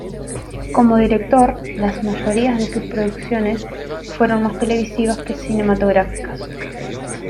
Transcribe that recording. Como director las mayorías de sus producciones fueron más televisivas que cinematográficas.